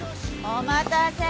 お待たせ。